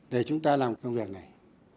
để chúng ta làm công việc này